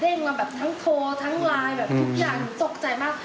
เราก็เลยลองทำตัวเนี่ยขายดู